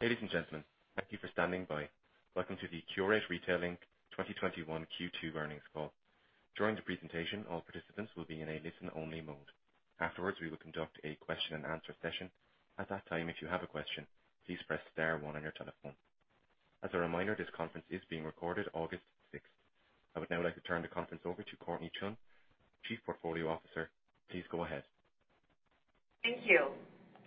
Ladies and gentlemen, thank you for standing by. Welcome to the Qurate Retail, Inc. 2021 Q2 Earnings Call. During the presentation, all participants will be in a listen-only mode. Afterwards, we will conduct a question and answer session. At that time, if you have a question, please press star one on your telephone. As a reminder, this conference is being recorded August 6th. I would now like to turn the conference over to Courtnee Chun, Chief Portfolio Officer. Please go ahead. Thank you.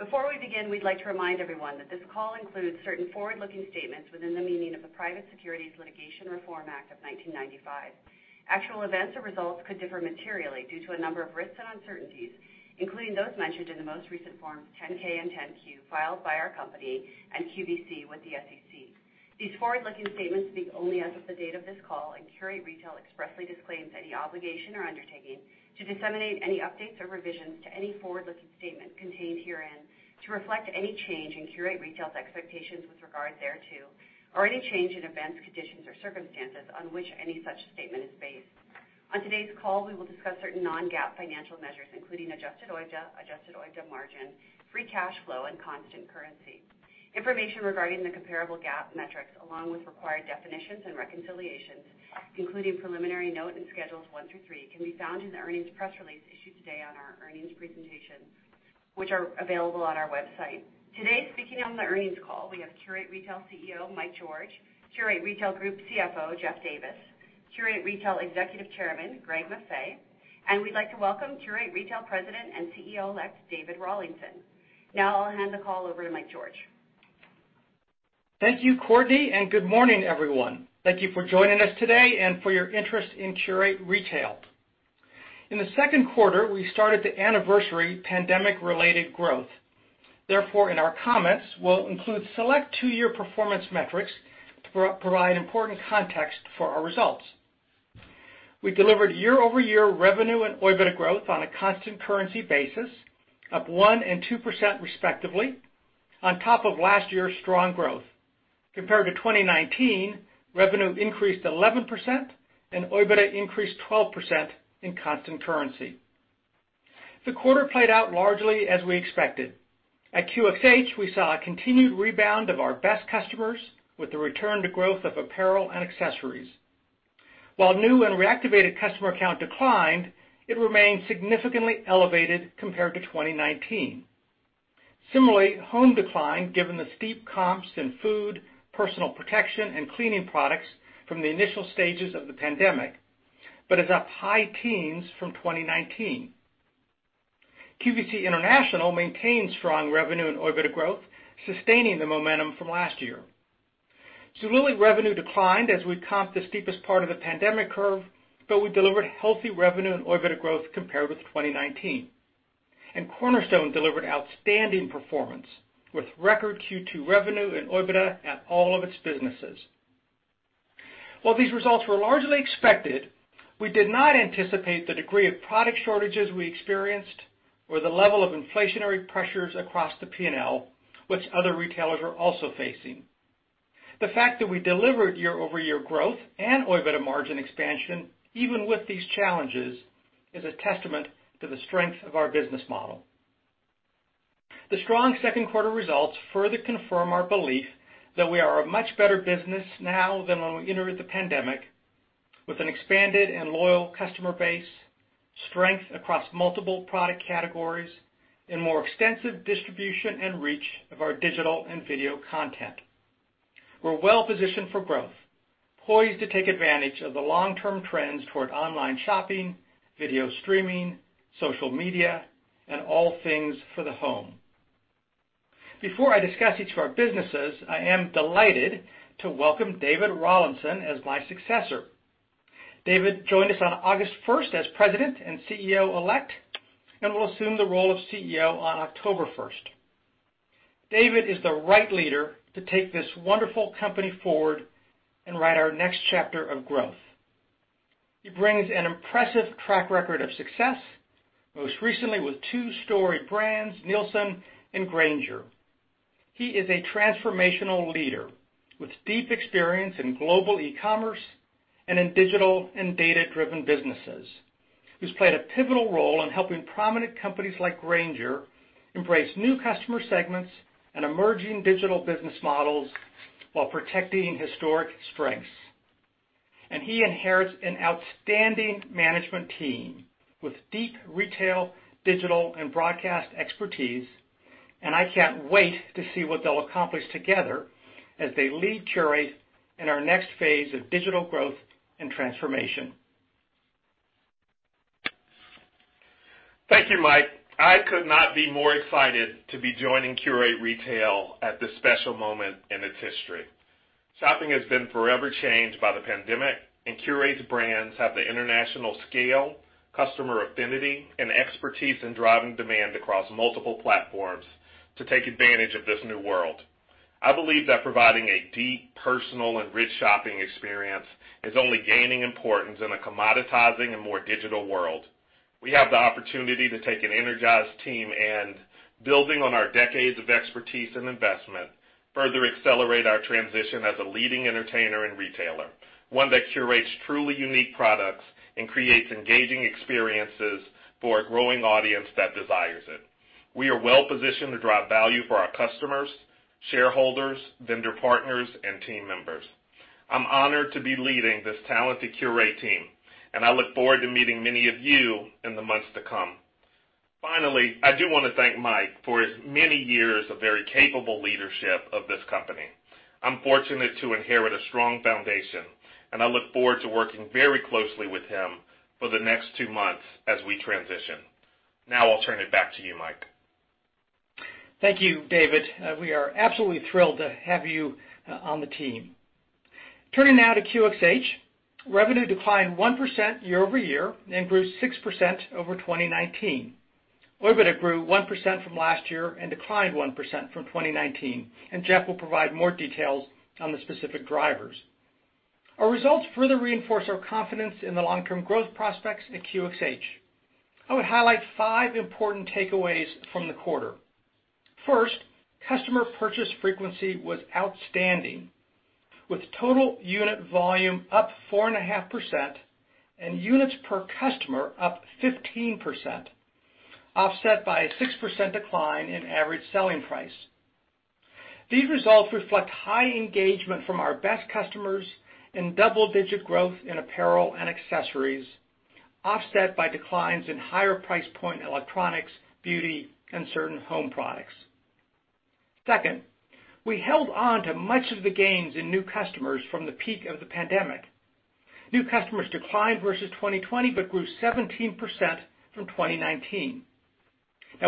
Before we begin, we'd like to remind everyone that this call includes certain forward-looking statements within the meaning of the Private Securities Litigation Reform Act of 1995. Actual events or results could differ materially due to a number of risks and uncertainties, including those mentioned in the most recent forms 10-K and 10-Q filed by our company and QVC with the SEC. These forward-looking statements speak only as of the date of this call and Qurate Retail expressly disclaims any obligation or undertaking to disseminate any updates or revisions to any forward-looking statement contained herein to reflect any change in Qurate Retail's expectations with regard thereto, or any change in events, conditions, or circumstances on which any such statement is based. On today's call, we will discuss certain non-GAAP financial measures, including adjusted OIBDA, adjusted OIBDA margin, free cash flow, and constant currency. Information regarding the comparable GAAP metrics, along with required definitions and reconciliations, including preliminary note and schedules one through three, can be found in the earnings press release issued today on our earnings presentation, which are available on our website. Today, speaking on the earnings call, we have Qurate Retail CEO, Mike George, Qurate Retail Group CFO, Jeff Davis, Qurate Retail Executive Chairman, Greg Maffei, and we'd like to welcome Qurate Retail President and CEO-elect, David Rawlinson II. I'll hand the call over to Mike George. Thank you, Courtnee Chun, good morning, everyone. Thank you for joining us today for your interest in Qurate Retail. In the second quarter, we started to anniversary pandemic-related growth. Therefore, in our comments, we'll include select two-year performance metrics to provide important context for our results. We delivered year-over-year revenue and OIBDA growth on a constant currency basis, up 1% and 2% respectively, on top of last year's strong growth. Compared to 2019, revenue increased 11% and OIBDA increased 12% in constant currency. The quarter played out largely as we expected. At QxH, we saw a continued rebound of our best customers with the return to growth of apparel and accessories. While new and reactivated customer count declined, it remained significantly elevated compared to 2019. Similarly, home declined given the steep comps in food, personal protection, and cleaning products from the initial stages of the pandemic, but is up high teens from 2019. QVC International maintained strong revenue and OIBDA growth, sustaining the momentum from last year. Zulily revenue declined as we comped the steepest part of the pandemic curve, but we delivered healthy revenue and OIBDA growth compared with 2019. Cornerstone delivered outstanding performance with record Q2 revenue and OIBDA at all of its businesses. While these results were largely expected, we did not anticipate the degree of product shortages we experienced or the level of inflationary pressures across the P&L, which other retailers are also facing. The fact that we delivered year-over-year growth and OIBDA margin expansion, even with these challenges, is a testament to the strength of our business model. The strong 2nd quarter results further confirm our belief that we are a much better business now than when we entered the pandemic with an expanded and loyal customer base, strength across multiple product categories, and more extensive distribution and reach of our digital and video content. We're well positioned for growth, poised to take advantage of the long-term trends toward online shopping, video streaming, social media, and all things for the home. Before I discuss each of our businesses, I am delighted to welcome David Rawlinson II as my successor. David joined us on August 1st as President and CEO-Elect, and will assume the role of CEO on October 1st. David is the right leader to take this wonderful company forward and write our next chapter of growth. He brings an impressive track record of success, most recently with two storied brands, Nielsen and Grainger. He is a transformational leader with deep experience in global e-commerce and in digital and data-driven businesses, who's played a pivotal role in helping prominent companies like Grainger embrace new customer segments and emerging digital business models while protecting historic strengths. He inherits an outstanding management team with deep retail, digital, and broadcast expertise, and I can't wait to see what they'll accomplish together as they lead Qurate in our next phase of digital growth and transformation. Thank you, Mike. I could not be more excited to be joining Qurate Retail at this special moment in its history. Shopping has been forever changed by the pandemic, and Qurate's brands have the international scale, customer affinity, and expertise in driving demand across multiple platforms to take advantage of this new world. I believe that providing a deep, personal, and rich shopping experience is only gaining importance in a commoditizing and more digital world. We have the opportunity to take an energized team and, building on our decades of expertise and investment, further accelerate our transition as a leading entertainer and retailer. One that curates truly unique products and creates engaging experiences for a growing audience that desires it. We are well-positioned to drive value for our customers, shareholders, vendor partners, and team members. I'm honored to be leading this talented Qurate team, and I look forward to meeting many of you in the months to come. Finally, I do want to thank Mike George for his many years of very capable leadership of this company. I'm fortunate to inherit a strong foundation, and I look forward to working very closely with him for the next two months as we transition. Now, I'll turn it back to you, Mike George. Thank you, David. We are absolutely thrilled to have you on the team. Turning now to QxH, revenue declined 1% year-over-year and grew 6% over 2019. OIBDA grew 1% from last year and declined 1% from 2019, and Jeff will provide more details on the specific drivers. Our results further reinforce our confidence in the long-term growth prospects at QxH. I would highlight five important takeaways from the quarter. First, customer purchase frequency was outstanding, with total unit volume up 4.5% and units per customer up 15%, offset by a 6% decline in average selling price. These results reflect high engagement from our best customers and double-digit growth in apparel and accessories, offset by declines in higher price point electronics, beauty and certain home products. Second, we held on to much of the gains in new customers from the peak of the pandemic. New customers declined versus 2020, but grew 17% from 2019.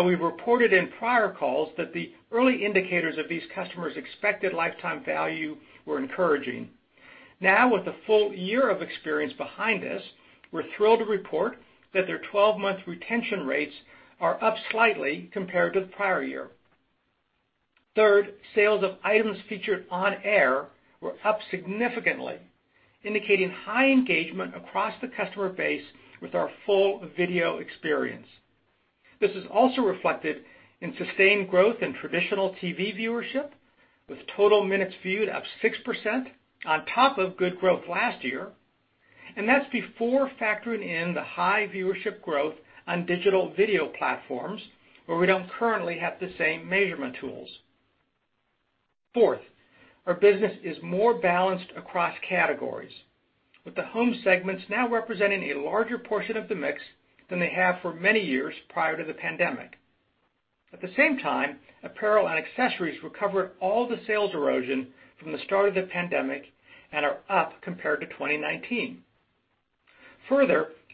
We reported in prior calls that the early indicators of these customers' expected lifetime value were encouraging. With a full year of experience behind us, we're thrilled to report that their 12-month retention rates are up slightly compared to the prior year. Third, sales of items featured on air were up significantly, indicating high engagement across the customer base with our full video experience. This is also reflected in sustained growth in traditional TV viewership, with total minutes viewed up 6% on top of good growth last year, and that's before factoring in the high viewership growth on digital video platforms where we don't currently have the same measurement tools. Fourth, our business is more balanced across categories, with the home segments now representing a larger portion of the mix than they have for many years prior to the pandemic. At the same time, apparel and accessories recovered all the sales erosion from the start of the pandemic and are up compared to 2019.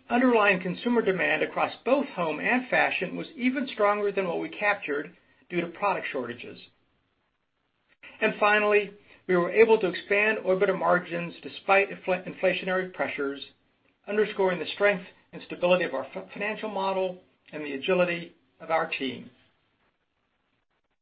Underlying consumer demand across both home and fashion was even stronger than what we captured due to product shortages. Finally, we were able to expand OIBDA margins despite inflationary pressures, underscoring the strength and stability of our financial model and the agility of our team.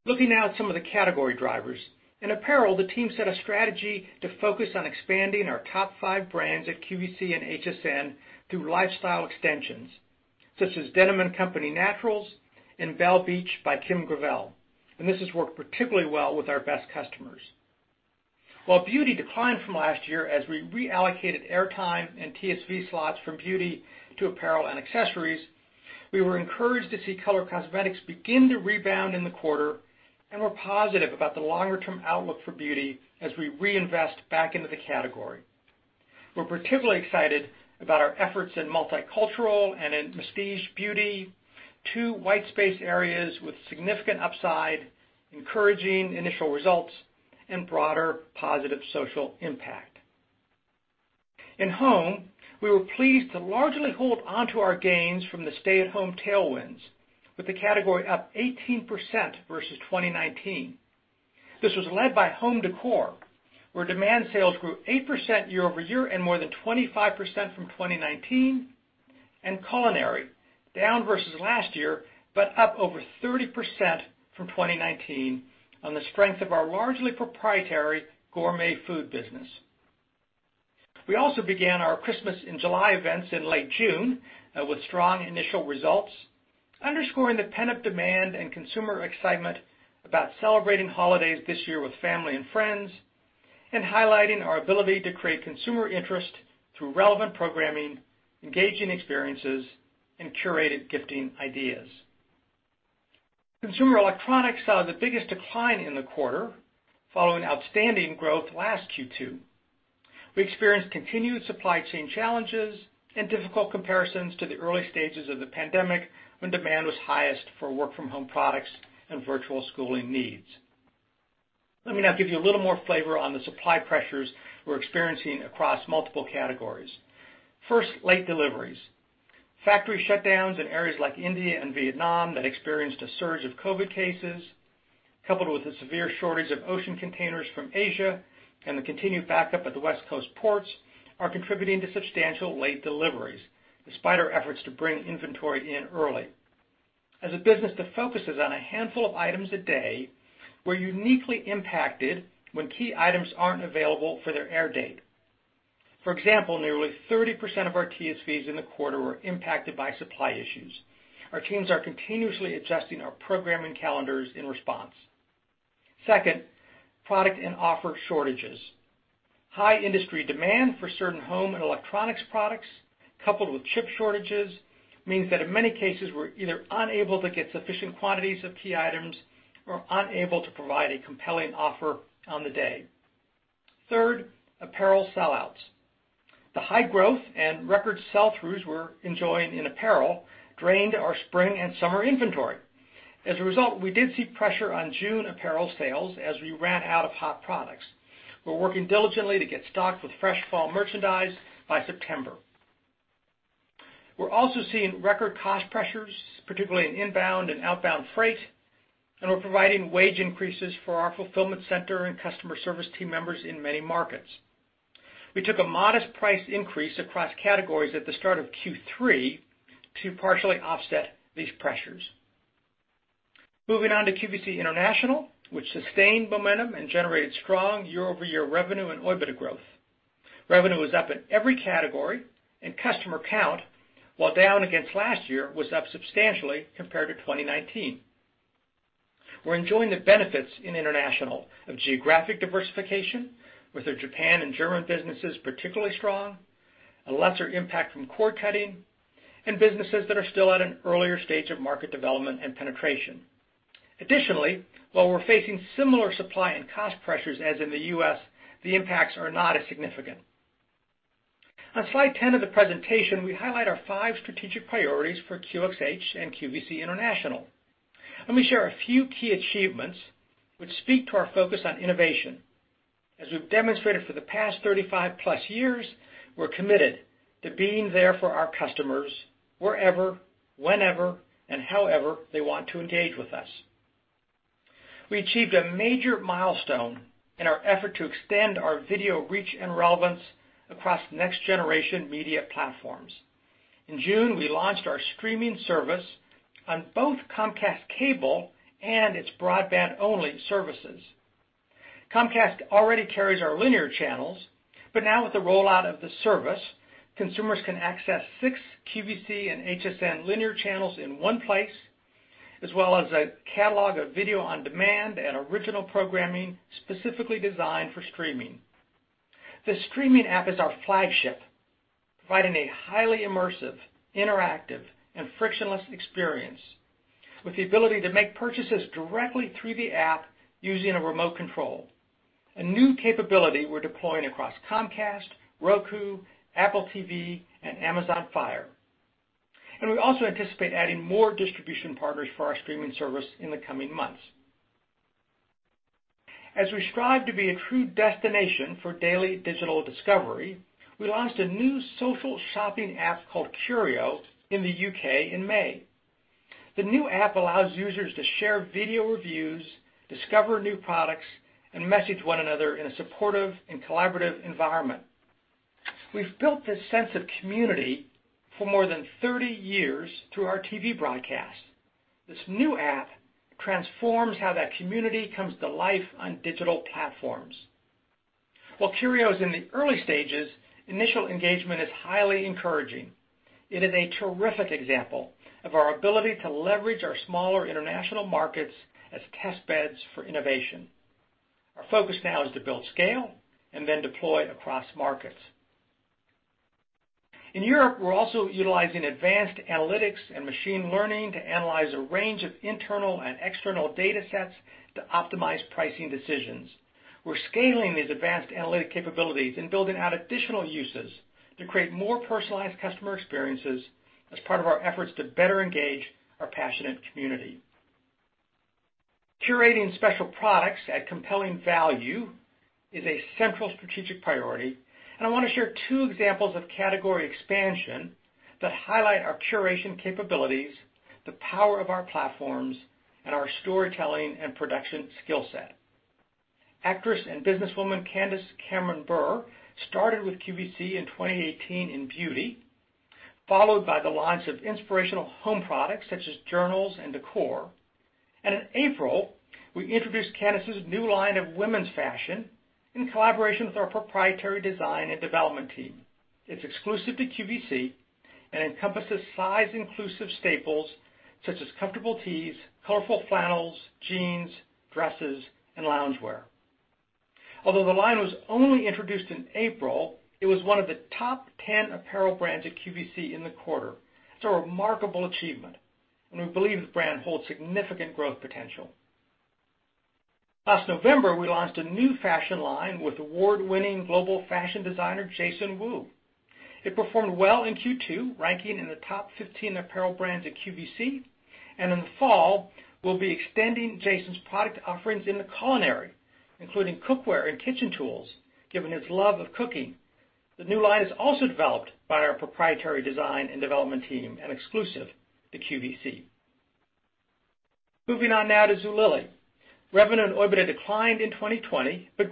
Looking now at some of the category drivers. In apparel, the team set a strategy to focus on expanding our top five brands at QVC and HSN through lifestyle extensions such as Denim & Co. Naturals and Belle Beach by Kim Gravel, and this has worked particularly well with our best customers. While beauty declined from last year as we reallocated airtime and TSV slots from beauty to apparel and accessories, we were encouraged to see color cosmetics begin to rebound in the quarter and were positive about the longer-term outlook for beauty as we reinvest back into the category. We're particularly excited about our efforts in multicultural and in prestige beauty, two white space areas with significant upside, encouraging initial results, and broader positive social impact. In home, we were pleased to largely hold onto our gains from the stay-at-home tailwinds, with the category up 18% versus 2019. This was led by home decor, where demand sales grew 8% year-over-year and more than 25% from 2019, and culinary down versus last year, but up over 30% from 2019 on the strength of our largely proprietary gourmet food business. We also began our Christmas in July events in late June with strong initial results, underscoring the pent-up demand and consumer excitement about celebrating holidays this year with family and friends, and highlighting our ability to create consumer interest through relevant programming, engaging experiences, and curated gifting ideas. Consumer electronics saw the biggest decline in the quarter, following outstanding growth last Q2. We experienced continued supply chain challenges and difficult comparisons to the early stages of the pandemic when demand was highest for work from home products and virtual schooling needs. Let me now give you a little more flavor on the supply pressures we're experiencing across multiple categories. First, late deliveries. Factory shutdowns in areas like India and Vietnam that experienced a surge of COVID cases, coupled with a severe shortage of ocean containers from Asia and the continued backup at the West Coast ports, are contributing to substantial late deliveries, despite our efforts to bring inventory in early. As a business that focuses on a handful of items a day, we're uniquely impacted when key items aren't available for their air date. For example, nearly 30% of our TSVs in the quarter were impacted by supply issues. Our teams are continuously adjusting our programming calendars in response. Second, product and offer shortages. High industry demand for certain home and electronics products, coupled with chip shortages, means that in many cases, we're either unable to get sufficient quantities of key items or unable to provide a compelling offer on the day. Third, apparel sell-outs. The high growth and record sell-throughs we're enjoying in apparel drained our spring and summer inventory. As a result, we did see pressure on June apparel sales as we ran out of hot products. We're working diligently to get stocked with fresh fall merchandise by September. We're also seeing record cost pressures, particularly in inbound and outbound freight, and we're providing wage increases for our fulfillment center and customer service team members in many markets. We took a modest price increase across categories at the start of Q3 to partially offset these pressures. Moving on to QVC International, which sustained momentum and generated strong year-over-year revenue and OIBDA growth. Revenue was up in every category, and customer count, while down against last year, was up substantially compared to 2019. We're enjoying the benefits in international of geographic diversification with our Japan and German businesses particularly strong, a lesser impact from cord cutting, and businesses that are still at an earlier stage of market development and penetration. Additionally, while we're facing similar supply and cost pressures as in the U.S., the impacts are not as significant. On slide 10 of the presentation, we highlight our five strategic priorities for QxH and QVC International. Let me share a few key achievements which speak to our focus on innovation. As we've demonstrated for the past 35+ years, we're committed to being there for our customers wherever, whenever, and however they want to engage with us. We achieved a major milestone in our effort to extend our video reach and relevance across next generation media platforms. In June, we launched our streaming service on both Comcast and its broadband-only services. Now with the rollout of the service, consumers can access six QVC and HSN linear channels in one place, as well as a catalog of video on demand and original programming specifically designed for streaming. The streaming app is our flagship, providing a highly immersive, interactive, and frictionless experience with the ability to make purchases directly through the app using a remote control, a new capability we're deploying across Comcast, Roku, Apple TV, and Amazon Fire. We also anticipate adding more distribution partners for our streaming service in the coming months. As we strive to be a true destination for daily digital discovery, we launched a new social shopping app called Qurio in the U.K. in May. The new app allows users to share video reviews, discover new products, and message one another in a supportive and collaborative environment. We've built this sense of community for more than 30 years through our TV broadcast. This new app transforms how that community comes to life on digital platforms. While Qurio is in the early stages, initial engagement is highly encouraging. It is a terrific example of our ability to leverage our smaller international markets as testbeds for innovation. Our focus now is to build scale and then deploy across markets. In Europe, we're also utilizing advanced analytics and machine learning to analyze a range of internal and external data sets to optimize pricing decisions. We're scaling these advanced analytic capabilities and building out additional uses to create more personalized customer experiences as part of our efforts to better engage our passionate community. Curating special products at compelling value is a central strategic priority, and I want to share two examples of category expansion that highlight our curation capabilities, the power of our platforms, and our storytelling and production skill set. Actress and businesswoman Candace Cameron Bure started with QVC in 2018 in beauty, followed by the launch of inspirational home products such as journals and decor. In April, we introduced Candace's new line of women's fashion in collaboration with our proprietary design and development team. It's exclusive to QVC and encompasses size-inclusive staples such as comfortable tees, colorful flannels, jeans, dresses, and loungewear. Although the line was only introduced in April, it was one of the top 10 apparel brands at QVC in the quarter. It's a remarkable achievement, and we believe the brand holds significant growth potential. Last November, we launched a new fashion line with award-winning global fashion designer Jason Wu. It performed well in Q2, ranking in the top 15 apparel brands at QVC. In the fall, we'll be extending Jason's product offerings in the culinary, including cookware and kitchen tools, given his love of cooking. The new line is also developed by our proprietary design and development team and exclusive to QVC. Moving on now to Zulily. Revenue and OIBDA declined versus 2020 but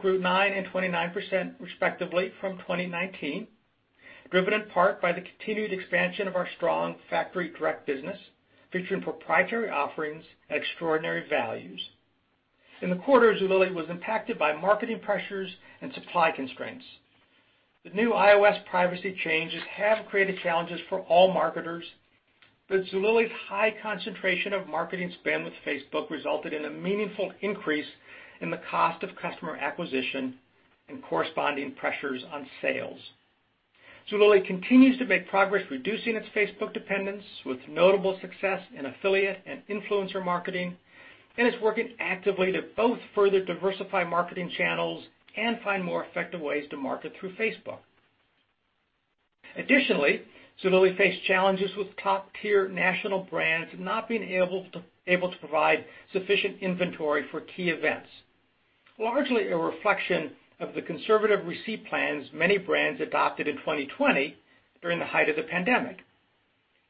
grew 9% and 29%, respectively, from 2019, driven in part by the continued expansion of our strong factory-direct business, featuring proprietary offerings and extraordinary values. In the quarter, Zulily was impacted by marketing pressures and supply constraints. The new iOS privacy changes have created challenges for all marketers. Zulily's high concentration of marketing spend with Facebook resulted in a meaningful increase in the cost of customer acquisition and corresponding pressures on sales. Zulily continues to make progress reducing its Facebook dependence with notable success in affiliate and influencer marketing, and is working actively to both further diversify marketing channels and find more effective ways to market through Facebook. Additionally, Zulily faced challenges with top-tier national brands not being able to provide sufficient inventory for key events, largely a reflection of the conservative receipt plans many brands adopted in 2020 during the height of the pandemic.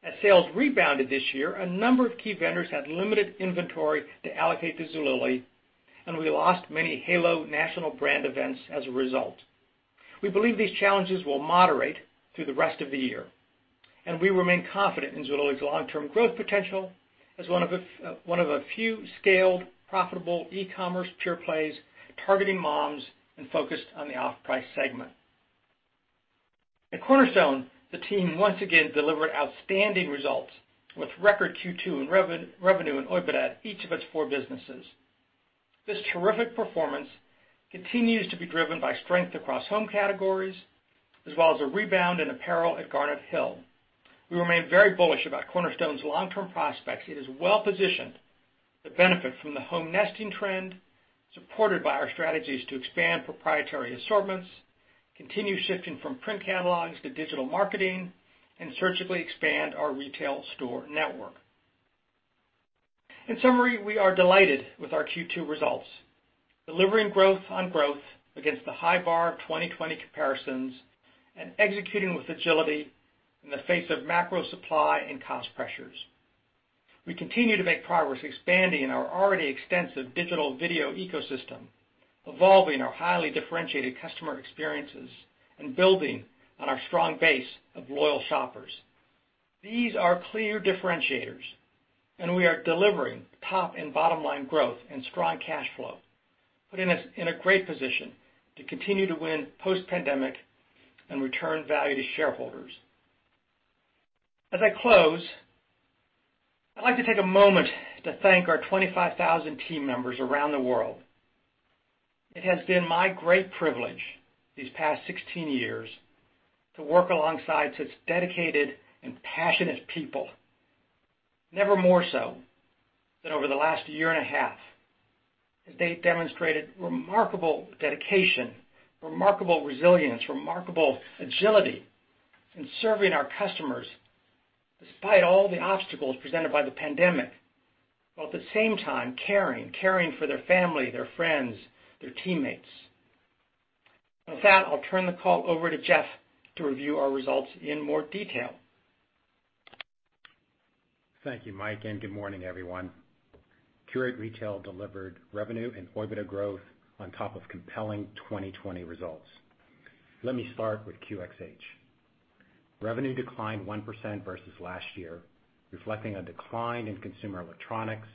As sales rebounded this year, a number of key vendors had limited inventory to allocate to Zulily. We lost many halo national brand events as a result. We believe these challenges will moderate through the rest of the year, and we remain confident in Zulily's long-term growth potential as one of a few scaled, profitable e-commerce pure plays targeting moms and focused on the off-price segment. At Cornerstone, the team once again delivered outstanding results, with record Q2 in revenue and OIBDA at each of its four businesses. This terrific performance continues to be driven by strength across home categories, as well as a rebound in apparel at Garnet Hill. We remain very bullish about Cornerstone's long-term prospects. It is well positioned to benefit from the home nesting trend, supported by our strategies to expand proprietary assortments, continue shifting from print catalogs to digital marketing, and surgically expand our retail store network. In summary, we are delighted with our Q2 results. Delivering growth on growth against the high bar of 2020 comparisons and executing with agility in the face of macro supply and cost pressures. We continue to make progress expanding in our already extensive digital video ecosystem, evolving our highly differentiated customer experiences, and building on our strong base of loyal shoppers. These are clear differentiators, and we are delivering top and bottom line growth and strong cash flow, putting us in a great position to continue to win post-pandemic and return value to shareholders. As I close, I'd like to take a moment to thank our 25,000 team members around the world. It has been my great privilege these past 16 years to work alongside such dedicated and passionate people. Never more so than over the last year and a half, as they demonstrated remarkable dedication, remarkable resilience, remarkable agility in serving our customers, despite all the obstacles presented by the pandemic, while at the same time caring for their family, their friends, their teammates. With that, I'll turn the call over to Jeff to review our results in more detail. Thank you, Mike, good morning, everyone. Qurate Retail delivered revenue and OIBDA growth on top of compelling 2020 results. Let me start with QxH. Revenue declined 1% versus last year, reflecting a decline in consumer electronics,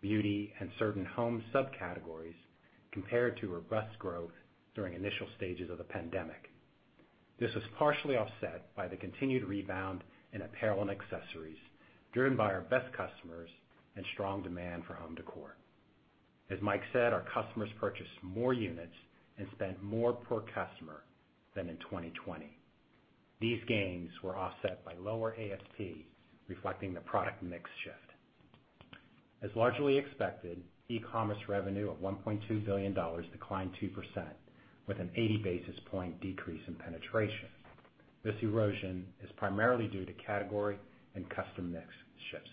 beauty, and certain home subcategories compared to robust growth during initial stages of the pandemic. This was partially offset by the continued rebound in apparel and accessories, driven by our best customers and strong demand for home decor. As Mike said, our customers purchased more units and spent more per customer than in 2020. These gains were offset by lower ASP, reflecting the product mix shift. As largely expected, e-commerce revenue of $1.2 billion declined 2%, with an 80 basis point decrease in penetration. This erosion is primarily due to category and custom mix shifts.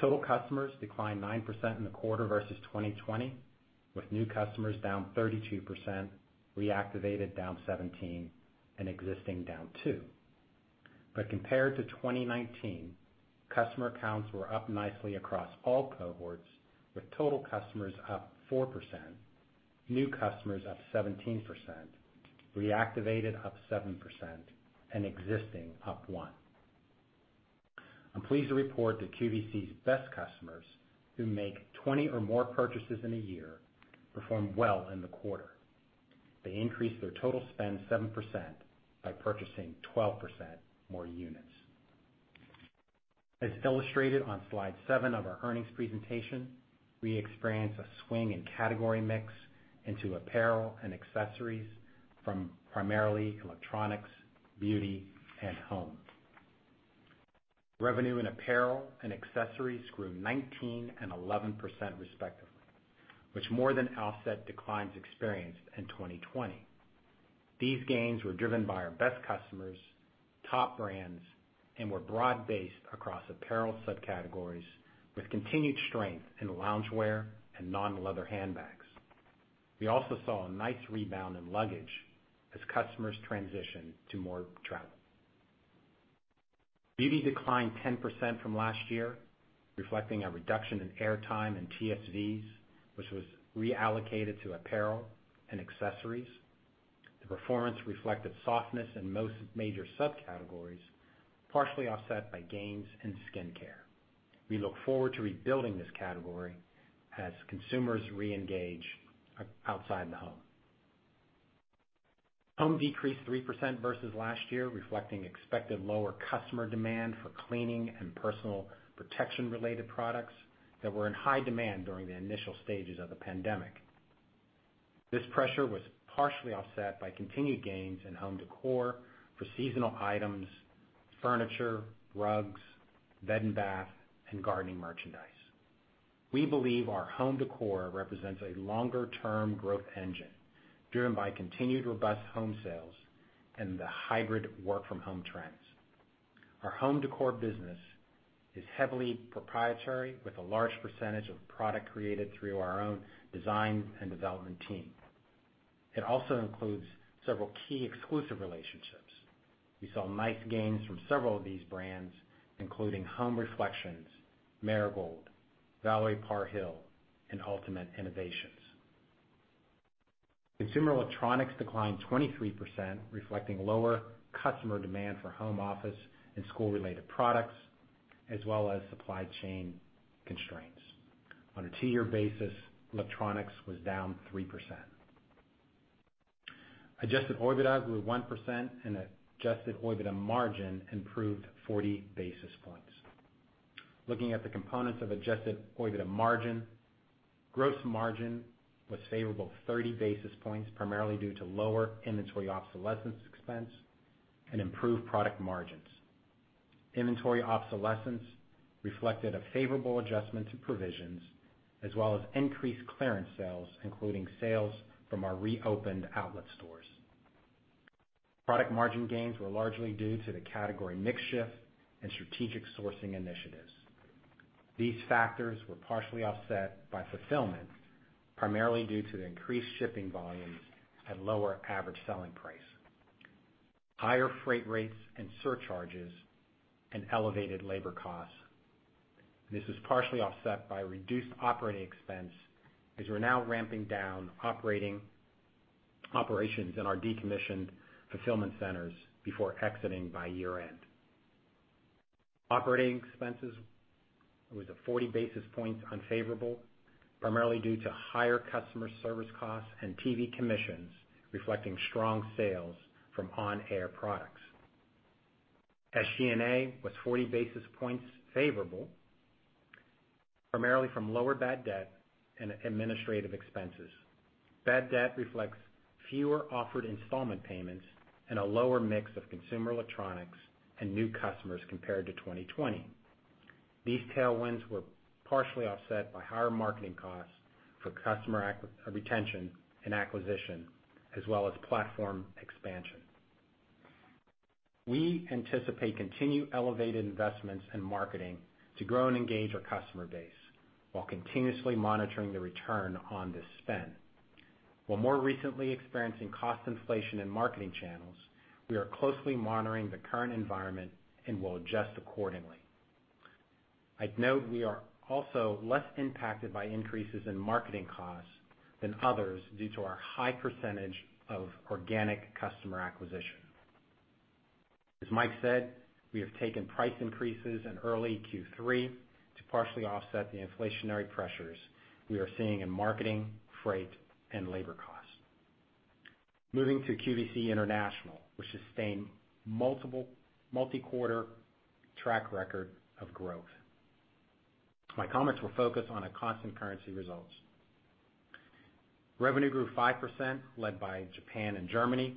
Total customers declined 9% in the quarter versus 2020, with new customers down 32%, reactivated down 17%, and existing down two. Compared to 2019, customer counts were up nicely across all cohorts, with total customers up 4%, new customers up 17%, reactivated up 7%, and existing up one. I'm pleased to report that QVC's best customers who make 20 or more purchases in a year performed well in the quarter. They increased their total spend 7% by purchasing 12% more units. As illustrated on slide 7 of our earnings presentation, we experienced a swing in category mix into apparel and accessories from primarily electronics, beauty and home. Revenue in apparel and accessories grew 19% and 11% respectively, which more than offset declines experienced in 2020. These gains were driven by our best customers, top brands, and were broad based across apparel subcategories with continued strength in loungewear and non-leather handbags. We also saw a nice rebound in luggage as customers transition to more travel. Beauty declined 10% from last year, reflecting a reduction in air time and TSVs, which was reallocated to apparel and accessories. The performance reflected softness in most major subcategories, partially offset by gains in skincare. We look forward to rebuilding this category as consumers reengage outside the home. Home decreased 3% versus last year, reflecting expected lower customer demand for cleaning and personal protection-related products that were in high demand during the initial stages of the pandemic. This pressure was partially offset by continued gains in home decor for seasonal items, furniture, rugs, bed and bath, and gardening merchandise. We believe our home decor represents a longer-term growth engine driven by continued robust home sales and the hybrid work-from-home trends. Our home decor business is heavily proprietary, with a large percentage of product created through our own design and development team. It also includes several key exclusive relationships. We saw nice gains from several of these brands, including Home Reflections, Marigold, Valerie Parr Hill, and Ultimate Innovations. Consumer electronics declined 23%, reflecting lower customer demand for home office and school-related products, as well as supply chain constraints. On a two-year basis, electronics was down 3%. Adjusted OIBDA grew 1%, and adjusted OIBDA margin improved 40 basis points. Looking at the components of adjusted OIBDA margin, gross margin was favorable 30 basis points, primarily due to lower inventory obsolescence expense and improved product margins. Inventory obsolescence reflected a favorable adjustment to provisions, as well as increased clearance sales, including sales from our reopened outlet stores. Product margin gains were largely due to the category mix shift and strategic sourcing initiatives. These factors were partially offset by fulfillment, primarily due to the increased shipping volumes and lower average selling price, higher freight rates and surcharges, and elevated labor costs. This was partially offset by reduced operating expense, as we're now ramping down operations in our decommissioned fulfillment centers before exiting by year-end. Operating expenses was at 40 basis points unfavorable, primarily due to higher customer service costs and TV commissions, reflecting strong sales from on-air products. SG&A was 40 basis points favorable, primarily from lower bad debt and administrative expenses. Bad debt reflects fewer offered installment payments and a lower mix of consumer electronics and new customers compared to 2020. These tailwinds were partially offset by higher marketing costs for customer retention and acquisition, as well as platform expansion. We anticipate continued elevated investments in marketing to grow and engage our customer base while continuously monitoring the return on this spend. While more recently experiencing cost inflation in marketing channels, we are closely monitoring the current environment and will adjust accordingly. I'd note we are also less impacted by increases in marketing costs than others due to our high percentage of organic customer acquisition. As Mike said, we have taken price increases in early Q3 to partially offset the inflationary pressures we are seeing in marketing, freight, and labor costs. Moving to QVC International, which sustained multi-quarter track record of growth. My comments will focus on a constant currency results. Revenue grew 5%, led by Japan and Germany,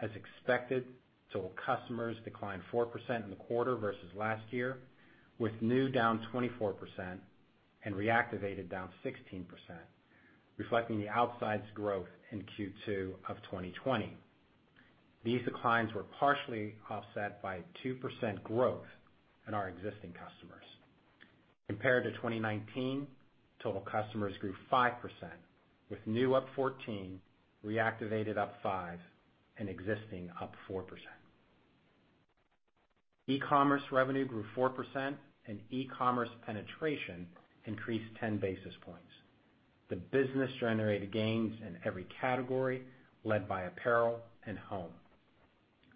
as expected. Total customers declined 4% in the quarter versus last year, with new down 24% and reactivated down 16%, reflecting the outsized growth in Q2 of 2020. These declines were partially offset by 2% growth in our existing customers. Compared to 2019, total customers grew 5%, with new up 14%, reactivated up 5%, and existing up 4%. E-commerce revenue grew 4%, and e-commerce penetration increased 10 basis points. The business generated gains in every category, led by apparel and home.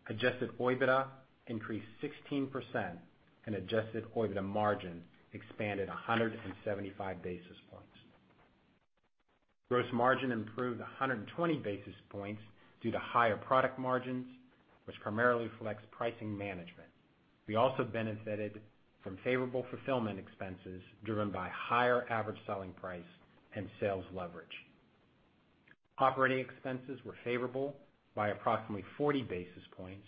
Adjusted OIBDA increased 16%, and adjusted OIBDA margin expanded 175 basis points. Gross margin improved 120 basis points due to higher product margins, which primarily reflects pricing management. We also benefited from favorable fulfillment expenses driven by higher average selling price and sales leverage. Operating expenses were favorable by approximately 40 basis points,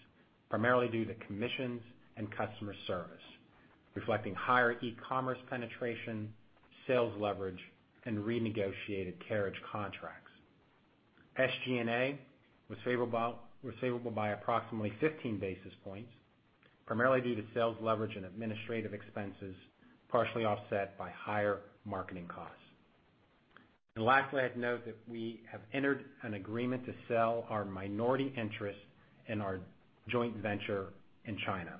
primarily due to commissions and customer service, reflecting higher e-commerce penetration, sales leverage, and renegotiated carriage contracts. SG&A was favorable by approximately 15 basis points, primarily due to sales leverage and administrative expenses, partially offset by higher marketing costs. Lastly, I'd note that we have entered an agreement to sell our minority interest in our joint venture in China.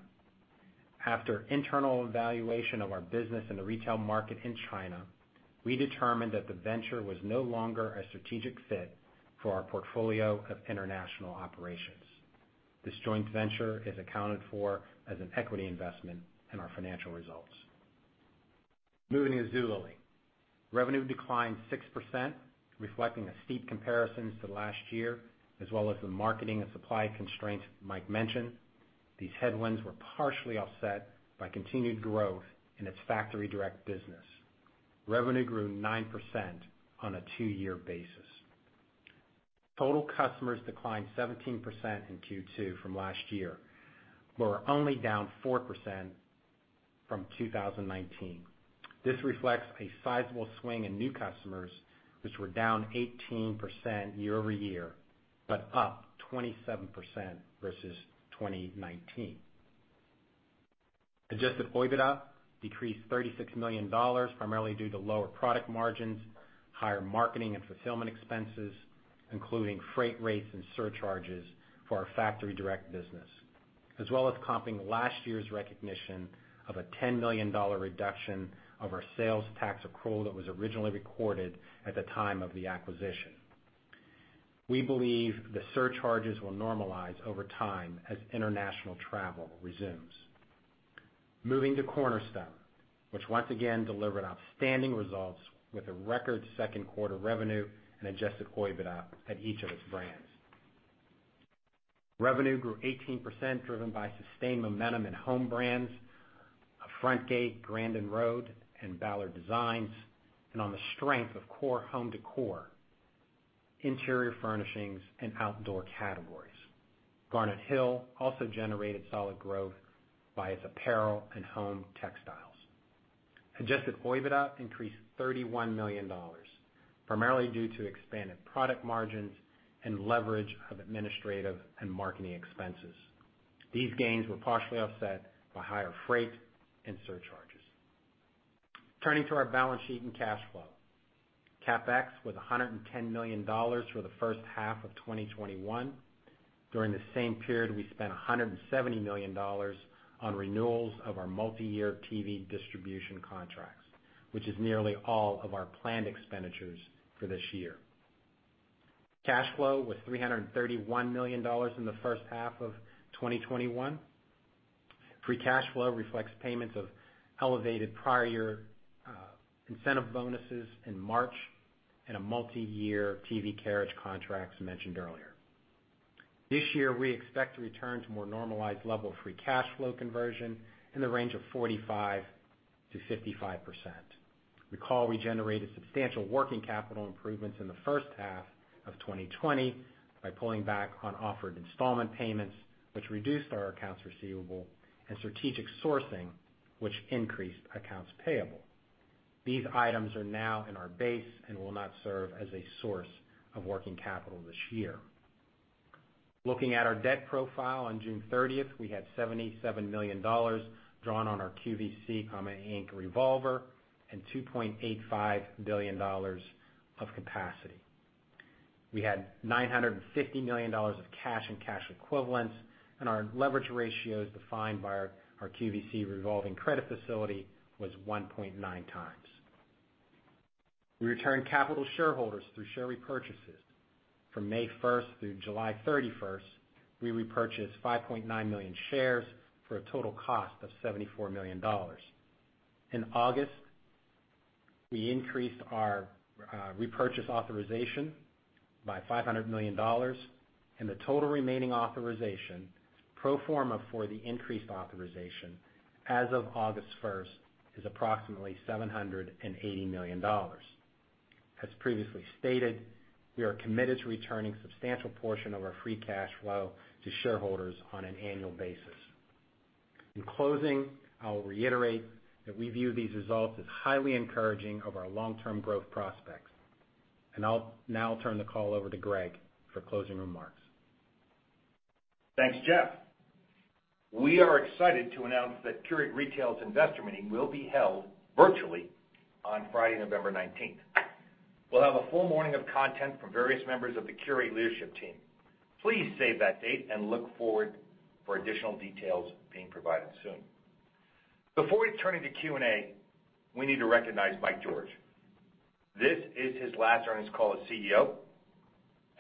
After internal evaluation of our business in the retail market in China, we determined that the venture was no longer a strategic fit for our portfolio of international operations. This joint venture is accounted for as an equity investment in our financial results. Moving to Zulily. Revenue declined 6%, reflecting a steep comparison to last year, as well as the marketing and supply constraints Mike mentioned. These headwinds were partially offset by continued growth in its factory-direct business. Revenue grew 9% on a two-year basis. Total customers declined 17% in Q2 from last year but were only down 4% from 2019. This reflects a sizable swing in new customers, which were down 18% year-over-year, but up 27% versus 2019. Adjusted OIBDA decreased $36 million, primarily due to lower product margins, higher marketing and fulfillment expenses, including freight rates and surcharges for our factory-direct business, as well as comping last year's recognition of a $10 million reduction of our sales tax accrual that was originally recorded at the time of the acquisition. We believe the surcharges will normalize over time as international travel resumes. Moving to Cornerstone, which once again delivered outstanding results with a record second quarter revenue and adjusted OIBDA at each of its brands. Revenue grew 18%, driven by sustained momentum in home brands, Frontgate, Grandin Road, and Ballard Designs, and on the strength of core home decor, interior furnishings, and outdoor categories. Garnet Hill also generated solid growth by its apparel and home textiles. Adjusted OIBDA increased $31 million, primarily due to expanded product margins and leverage of administrative and marketing expenses. These gains were partially offset by higher freight and surcharges. Turning to our balance sheet and cash flow. CapEx was $110 million for the first half of 2021. During the same period, we spent $170 million on renewals of our multi-year TV distribution contracts, which is nearly all of our planned expenditures for this year. Cash flow was $331 million in the first half of 2021. Free cash flow reflects payments of elevated prior year incentive bonuses in March and a multi-year TV carriage contracts mentioned earlier. This year, we expect to return to more normalized level free cash flow conversion in the range of 45%-55%. Recall, we generated substantial working capital improvements in the first half of 2020 by pulling back on offered installment payments, which reduced our accounts receivable, and strategic sourcing, which increased accounts payable. These items are now in our base and will not serve as a source of working capital this year. Looking at our debt profile on June 30, we had $77 million drawn on our QVC, Inc. revolver and $2.85 billion of capacity. We had $950 million of cash and cash equivalents, and our leverage ratios defined by our QVC revolving credit facility was 1.9x. We returned capital to shareholders through share repurchases. From May 1 through July 31, we repurchased 5.9 million shares for a total cost of $74 million. In August, we increased our repurchase authorization by $500 million, and the total remaining authorization, pro forma for the increased authorization as of August 1st, is approximately $780 million. As previously stated, we are committed to returning a substantial portion of our free cash flow to shareholders on an annual basis. In closing, I'll reiterate that we view these results as highly encouraging of our long-term growth prospects, and I'll now turn the call over to Greg for closing remarks. Thanks, Jeff. We are excited to announce that Qurate Retail's investor meeting will be held virtually on Friday, November 19th. We'll have a full morning of content from various members of the Qurate leadership team. Please save that date and look forward for additional details being provided soon. Before we turn into Q&A, we need to recognize Mike George. This is his last earnings call as CEO,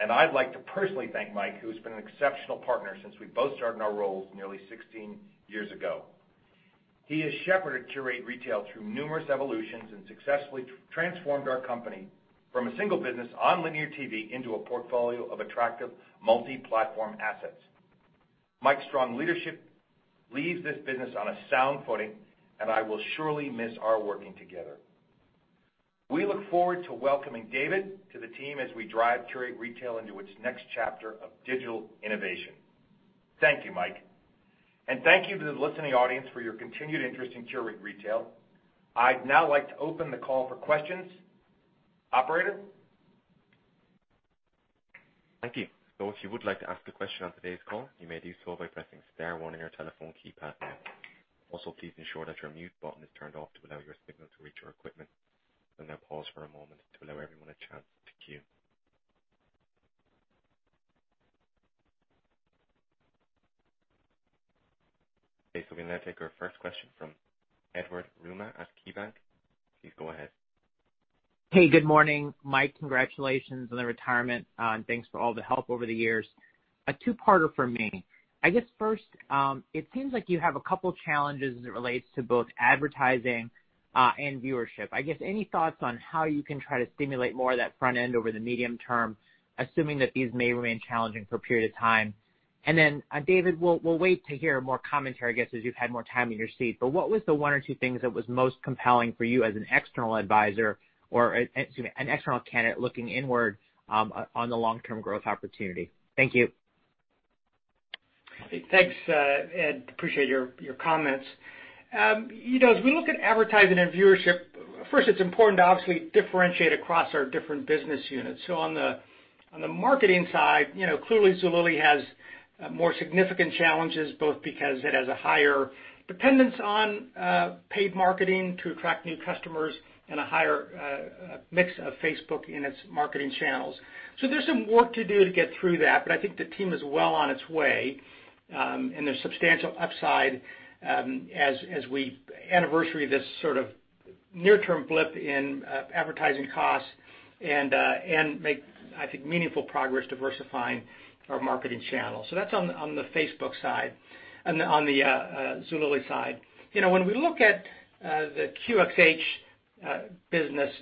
and I'd like to personally thank Mike, who has been an exceptional partner since we both started in our roles nearly 16 years ago. He has shepherded Qurate Retail through numerous evolutions and successfully transformed our company from a single business on linear TV into a portfolio of attractive multi-platform assets. Mike's strong leadership leaves this business on a sound footing, and I will surely miss our working together. We look forward to welcoming David to the team as we drive Qurate Retail into its next chapter of digital innovation. Thank you, Mike. Thank you to the listening audience for your continued interest in Qurate Retail. I'd now like to open the call for questions. Operator? Thank you. If you would like to ask a question on today's call, you may do so by pressing star 1 on your telephone keypad now. Please ensure that your mute button is turned off to allow your signal to reach our equipment. I'll now pause for a moment to allow everyone a chance to queue. Okay. We can take our first question from Edward Yruma at KeyBanc. Please go ahead. Hey, good morning. Mike, congratulations on the retirement, and thanks for all the help over the years. A two-parter from me. I guess first, it seems like you have a couple challenges as it relates to both advertising and viewership. I guess any thoughts on how you can try to stimulate more of that front end over the medium term, assuming that these may remain challenging for a period of time? David, we'll wait to hear more commentary, I guess, as you've had more time in your seat, but what was the one or two things that was most compelling for you as an external advisor or, excuse me, an external candidate looking inward on the long-term growth opportunity? Thank you. Hey, thanks, Ed. Appreciate your comments. As we look at advertising and viewership, first, it's important to obviously differentiate across our different business units. On the marketing side, clearly Zulily has more significant challenges, both because it has a higher dependence on paid marketing to attract new customers and a higher mix of Facebook in its marketing channels. There's some work to do to get through that, but I think the team is well on its way, and there's substantial upside as we anniversary this sort of near-term blip in advertising costs and make, I think, meaningful progress diversifying our marketing channels. That's on the Facebook side and on the Zulily side. When we look at the QxH business,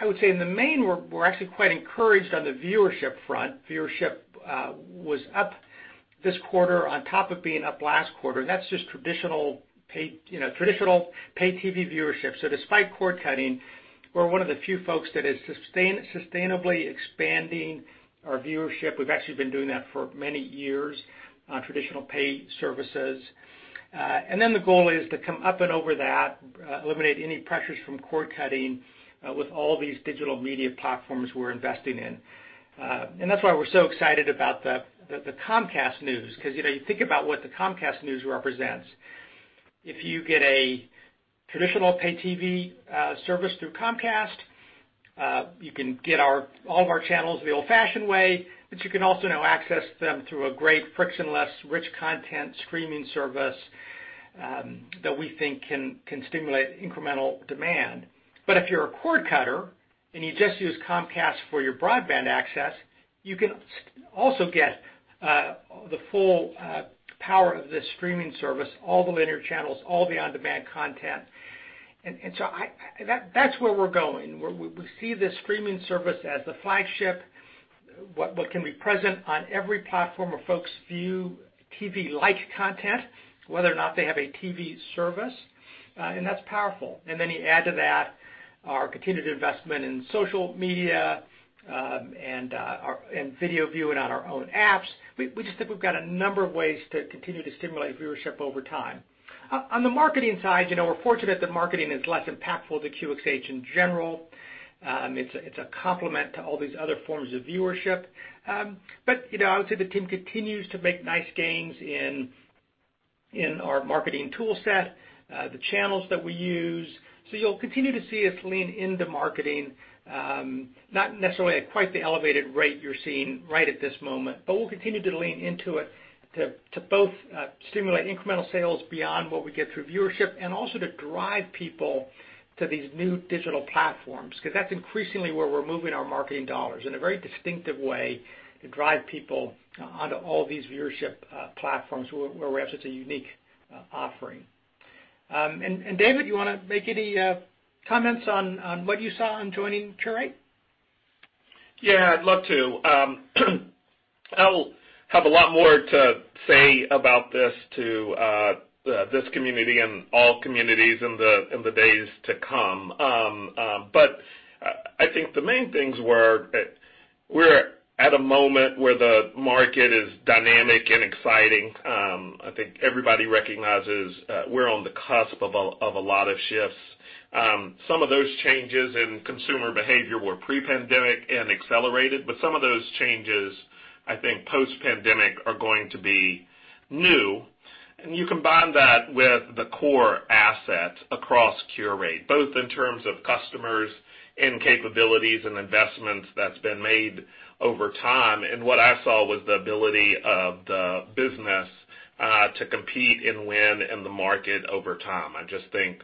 I would say in the main, we're actually quite encouraged on the viewership front. Viewership was up this quarter on top of being up last quarter. That's just traditional paid TV viewership. Despite cord-cutting, we're one of the few folks that is sustainably expanding our viewership. We've actually been doing that for many years on traditional paid services. Then the goal is to come up and over that, eliminate any pressures from cord-cutting with all these digital media platforms we're investing in. That's why we're so excited about the Comcast news. You think about what the Comcast news represents. If you get a traditional paid TV service through Comcast, you can get all of our channels the old-fashioned way, but you can also now access them through a great frictionless, rich content streaming service that we think can stimulate incremental demand. If you're a cord cutter and you just use Comcast for your broadband access, you can also get the full power of this streaming service, all the linear channels, all the on-demand content. That's where we're going. We see this streaming service as the flagship, what can be present on every platform where folks view TV-like content, whether or not they have a TV service, and that's powerful. You add to that our continued investment in social media and video viewing on our own apps. We just think we've got a number of ways to continue to stimulate viewership over time. On the marketing side, we're fortunate that marketing is less impactful to QxH in general. It's a complement to all these other forms of viewership. I would say the team continues to make nice gains in our marketing tool set, the channels that we use. You'll continue to see us lean into marketing, not necessarily at quite the elevated rate you're seeing right at this moment, but we'll continue to lean into it to both stimulate incremental sales beyond what we get through viewership and also to drive people to these new digital platforms, because that's increasingly where we're moving our marketing dollars in a very distinctive way to drive people onto all these viewership platforms where we have such a unique offering. David, you want to make any comments on what you saw on joining Qurate? Yeah, I'd love to. I'll have a lot more to say about this to this community and all communities in the days to come. I think the main things were we're at a moment where the market is dynamic and exciting. I think everybody recognizes we're on the cusp of a lot of shifts. Some of those changes in consumer behavior were pre-pandemic and accelerated, but some of those changes, I think post-pandemic, are going to be new. You combine that with the core assets across Qurate Retail, both in terms of customers and capabilities and investments that's been made over time. What I saw was the ability of the business to compete and win in the market over time. I just think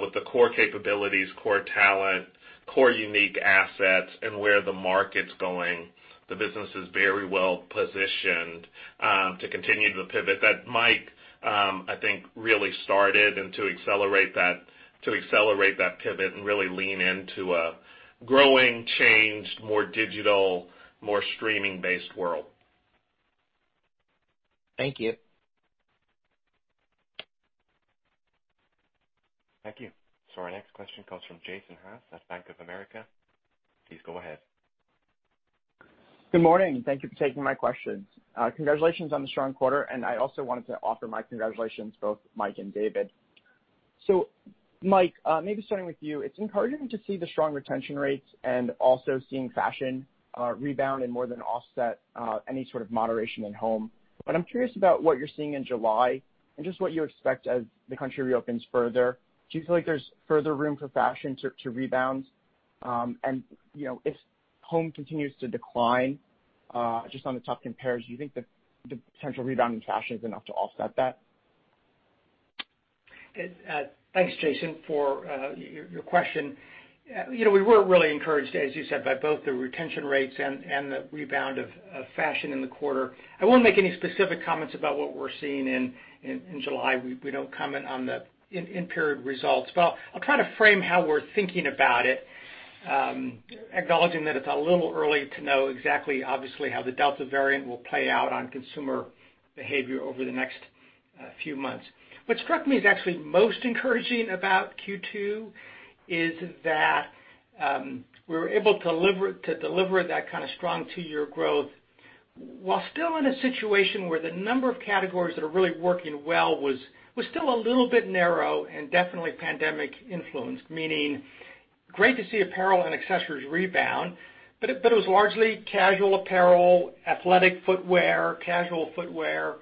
with the core capabilities, core talent, core unique assets, and where the market's going, the business is very well positioned to continue the pivot that Mike, I think, really started, and to accelerate that pivot and really lean into a growing, changed, more digital, more streaming-based world. Thank you. Thank you. Our next question comes from Jason Haas at Bank of America. Please go ahead. Good morning. Thank you for taking my questions. Congratulations on the strong quarter. I also wanted to offer my congratulations, both Mike and David. Mike, maybe starting with you, it's encouraging to see the strong retention rates and also seeing fashion rebound and more than offset any sort of moderation at home. I'm curious about what you're seeing in July and just what you expect as the country reopens further. Do you feel like there's further room for fashion to rebound? If home continues to decline Just on the top compares, do you think the potential rebound in fashion is enough to offset that? Thanks, Jason, for your question. We were really encouraged, as you said, by both the retention rates and the rebound of fashion in the quarter. I won't make any specific comments about what we're seeing in July. We don't comment on the in-period results. I'll try to frame how we're thinking about it, acknowledging that it's a little early to know exactly, obviously, how the Delta variant will play out on consumer behavior over the next few months. What struck me as actually most encouraging about Q2 is that we were able to deliver that kind of strong 2-year growth while still in a situation where the number of categories that are really working well was still a little bit narrow and definitely pandemic influenced. Meaning, great to see apparel and accessories rebound, but it was largely casual apparel, athletic footwear, casual footwear.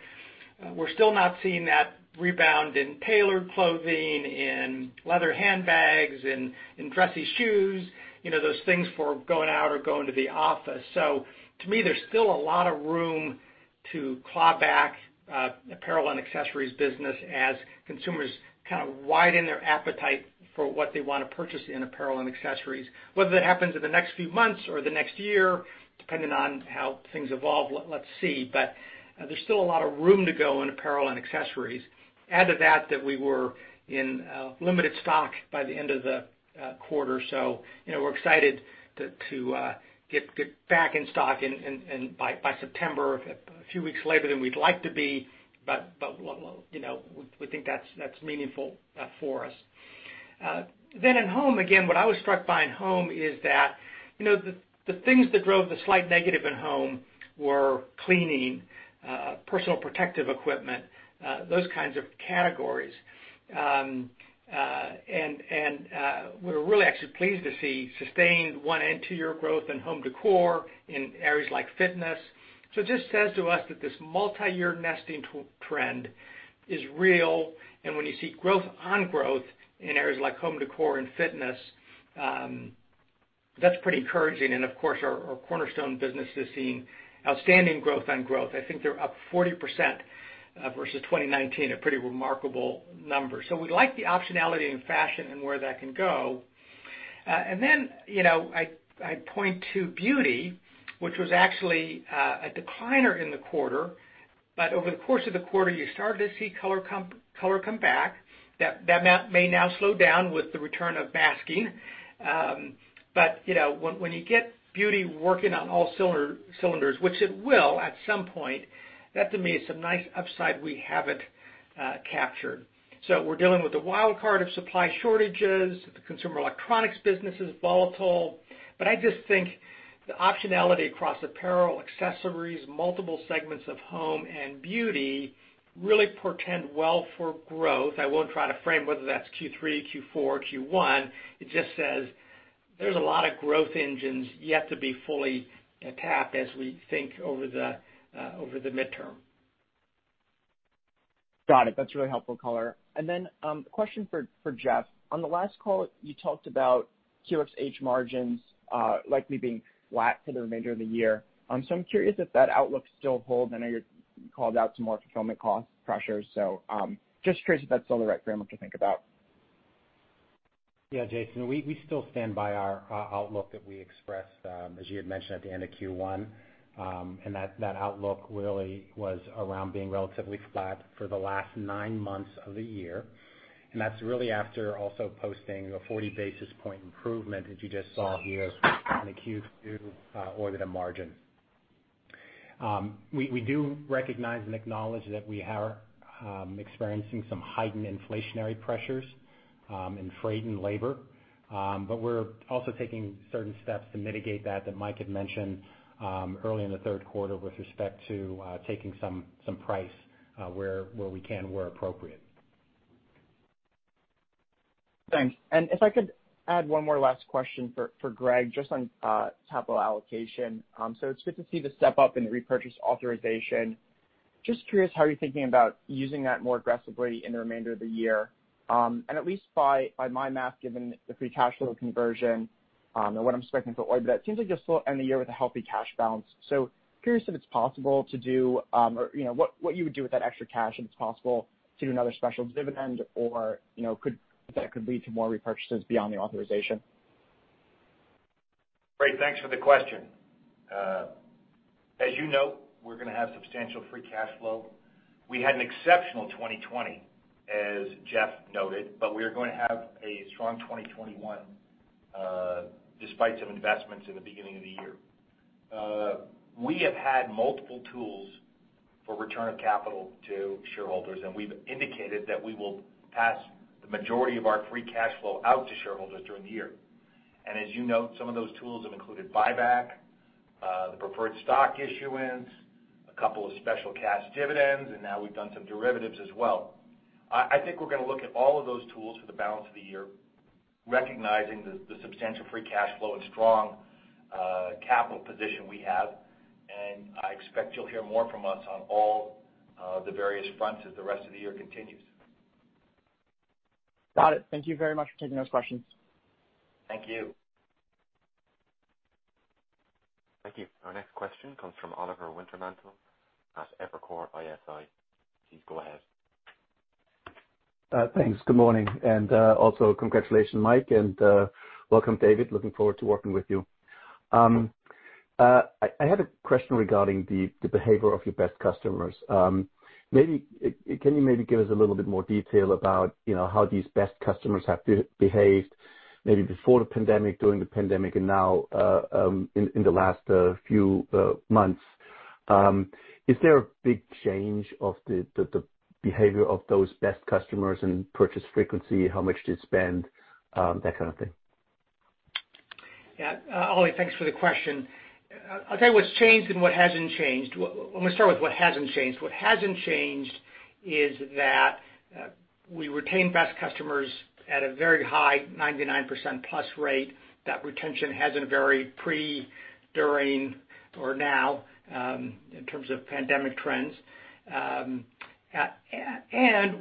We're still not seeing that rebound in tailored clothing, in leather handbags, in dressy shoes, those things for going out or going to the office. To me, there's still a lot of room to claw back apparel and accessories business as consumers kind of widen their appetite for what they want to purchase in apparel and accessories. Whether that happens in the next few months or the next year, depending on how things evolve, let's see, there's still a lot of room to go in apparel and accessories. Add to that we were in limited stock by the end of the quarter. We're excited to get back in stock by September, a few weeks later than we'd like to be, but we think that's meaningful for us. In Home, again, what I was struck by in Home is that the things that drove the slight negative in Home were cleaning, personal protective equipment, those kinds of categories. We're really actually pleased to see sustained 1- and 2-year growth in home décor in areas like fitness. It just says to us that this multi-year nesting trend is real, and when you see growth on growth in areas like home décor and fitness, that's pretty encouraging. Of course, our Cornerstone business is seeing outstanding growth on growth. I think they're up 40% versus 2019. A pretty remarkable number. I like the optionality in fashion and where that can go. I point to Beauty, which was actually a decliner in the quarter. But over the course of the quarter, you started to see color come back. That may now slow down with the return of masking. When you get Beauty working on all cylinders, which it will at some point, that to me is some nice upside we haven't captured. We're dealing with the wild card of supply shortages. The consumer electronics business is volatile. I just think the optionality across apparel, accessories, multiple segments of home and Beauty really portend well for growth. I won't try to frame whether that's Q3, Q4, Q1. It just says there's a lot of growth engines yet to be fully tapped as we think over the midterm. Got it. That's a really helpful color. A question for Jeff. On the last call, you talked about QxH margins likely being flat for the remainder of the year. I'm curious if that outlook still holds. I know you called out some more fulfillment cost pressures. Just curious if that's still the right framework to think about. Jason, we still stand by our outlook that we expressed, as you had mentioned, at the end of Q1. That outlook really was around being relatively flat for the last nine months of the year. That's really after also posting a 40 basis point improvement that you just saw here in Q2 order to margin. We're also taking certain steps to mitigate that Mike had mentioned, early in the third quarter with respect to taking some price where we can, where appropriate. Thanks. If I could add one more last question for Greg, just on capital allocation. It's good to see the step-up in the repurchase authorization. Just curious how you're thinking about using that more aggressively in the remainder of the year. At least by my math, given the free cash flow conversion, and what I'm expecting for OIBDA, it seems like you'll still end the year with a healthy cash balance. Curious if it's possible to do or what you would do with that extra cash, if it's possible to do another special dividend or if that could lead to more repurchases beyond the authorization. Great. Thanks for the question. As you know, we're going to have substantial free cash flow. We had an exceptional 2020, as Jeff noted, but we are going to have a strong 2021, despite some investments in the beginning of the year. We have had multiple tools for return of capital to shareholders, and we've indicated that we will pass the majority of our free cash flow out to shareholders during the year. As you note, some of those tools have included buyback, the preferred stock issuance, a couple of special cash dividends, and now we've done some derivatives as well. I think we're going to look at all of those tools for the balance of the year, recognizing the substantial free cash flow and strong capital position we have. I expect you'll hear more from us on all of the various fronts as the rest of the year continues. Got it. Thank you very much for taking those questions. Thank you. Thank you. Our next question comes from Oliver Wintermantel at Evercore ISI. Please go ahead. Thanks. Good morning, and also congratulations, Mike, and welcome, David. Looking forward to working with you. I had a question regarding the behavior of your best customers. Can you maybe give us a little bit more detail about how these best customers have behaved, maybe before the pandemic, during the pandemic, and now in the last few months? Is there a big change of the behavior of those best customers and purchase frequency? How much they spend, that kind of thing? Yeah. Oli, thanks for the question. I'll tell you what's changed and what hasn't changed. I'm going to start with what hasn't changed. What hasn't changed is that we retain best customers at a very high 99%+ rate. That retention hasn't varied pre, during, or now, in terms of pandemic trends.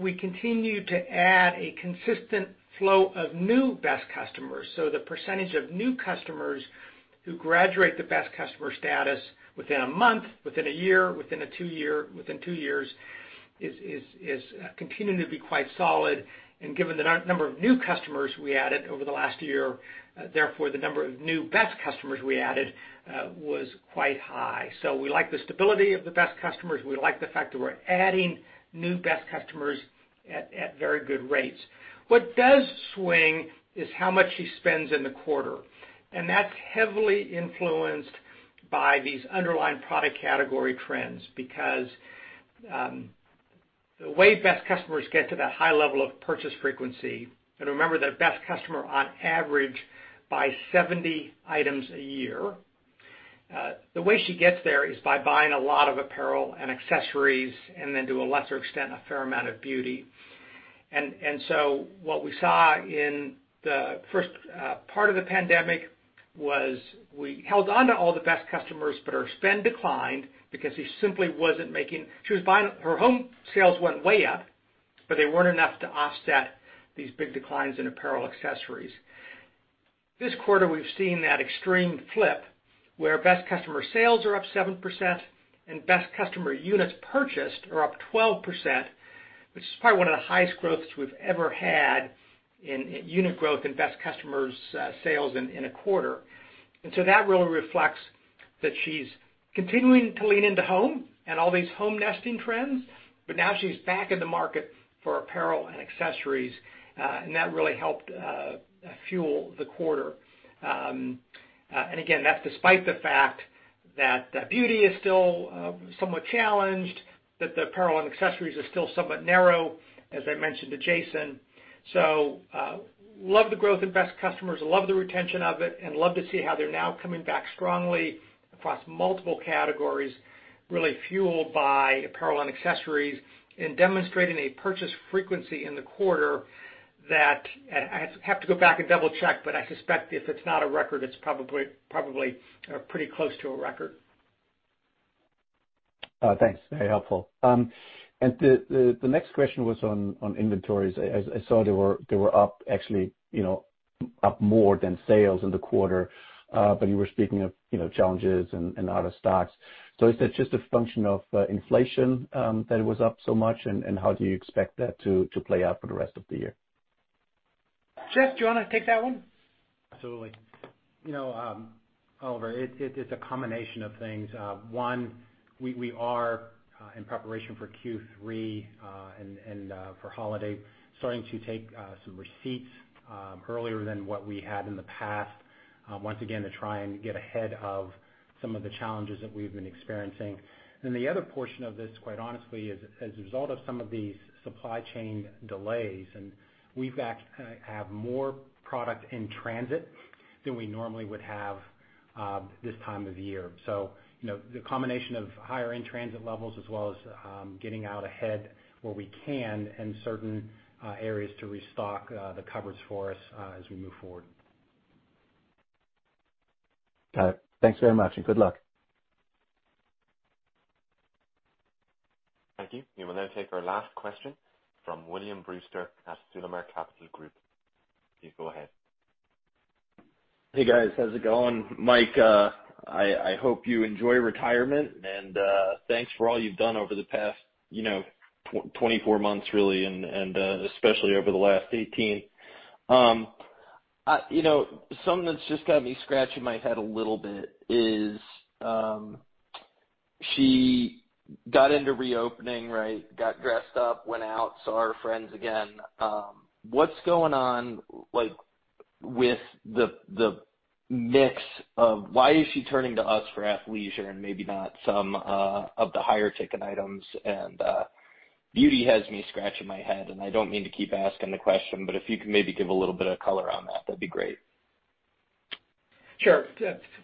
We continue to add a consistent flow of new best customers. The percentage of new customers who graduate to best customer status within a month, within a year, within two years, is continuing to be quite solid. Given the number of new customers we added over the last year, therefore the number of new best customers we added was quite high. We like the stability of the best customers. We like the fact that we're adding new best customers at very good rates. What does swing is how much she spends in the quarter, and that's heavily influenced by these underlying product category trends, because the way best customers get to that high level of purchase frequency, and remember, the best customer, on average, buys 70 items a year. The way she gets there is by buying a lot of apparel and accessories, and then to a lesser extent, a fair amount of beauty. What we saw in the first part of the pandemic was we held on to all the best customers, but our spend declined because her home sales went way up, but they weren't enough to offset these big declines in apparel accessories. This quarter, we've seen that extreme flip, where best customer sales are up 7% and best customer units purchased are up 12%, which is probably one of the highest growths we've ever had in unit growth in best customers sales in a quarter. That really reflects that she's continuing to lean into home and all these home nesting trends, but now she's back in the market for apparel and accessories. That really helped fuel the quarter. Again, that's despite the fact that beauty is still somewhat challenged, that the apparel and accessories are still somewhat narrow, as I mentioned to Jason. Love the growth in best customers, love the retention of it, and love to see how they're now coming back strongly across multiple categories, really fueled by apparel and accessories, and demonstrating a purchase frequency in the quarter that I have to go back and double-check, but I suspect if it's not a record, it's probably pretty close to a record. Thanks. Very helpful. The next question was on inventories. I saw they were up more than sales in the quarter, but you were speaking of challenges and out of stocks. Is that just a function of inflation that it was up so much, and how do you expect that to play out for the rest of the year? Jeff, do you want to take that one? Absolutely. Oliver, it's a combination of things. One, we are in preparation for Q3, and for holiday, starting to take some receipts earlier than what we had in the past, once again, to try and get ahead of some of the challenges that we've been experiencing. The other portion of this, quite honestly, is as a result of some of these supply chain delays, and we have more product in transit than we normally would have this time of year. The combination of higher in-transit levels as well as getting out ahead where we can in certain areas to restock the coverage for us as we move forward. Got it. Thanks very much, and good luck. Thank you. We will now take our last question from William Brewster at Sullimar Capital Group. Please go ahead. Hey, guys. How's it going? Mike, I hope you enjoy retirement, and thanks for all you've done over the past 24 months really, and especially over the last 18. Something that's just got me scratching my head a little bit is she got into reopening, right? Got dressed up, went out, saw her friends again. What's going on with the mix of why is she turning to us for athleisure and maybe not some of the higher ticket items? Beauty has me scratching my head, and I don't mean to keep asking the question, but if you could maybe give a little bit of color on that'd be great. Sure.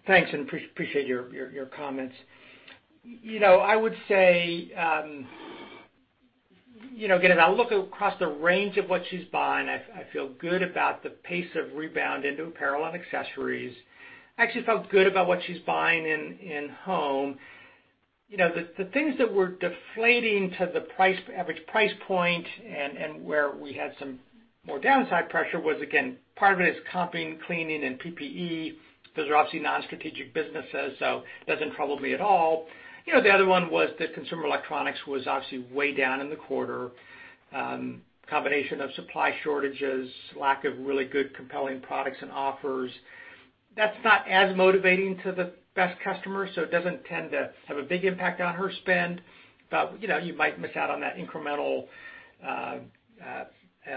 Thanks, appreciate your comments. I would say, again, if I look across the range of what she's buying, I feel good about the pace of rebound into apparel and accessories. I actually felt good about what she's buying in home. The things that we're deflating to the average price point and where we had some more downside pressure was, again, part of it is comping, cleaning, and PPE. Those are obviously non-strategic businesses, so it doesn't trouble me at all. The other one was that consumer electronics was obviously way down in the quarter, a combination of supply shortages, lack of really good compelling products and offers. That's not as motivating to the best customer, so it doesn't tend to have a big impact on her spend. You might miss out on that incremental